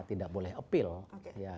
tidak boleh mencoba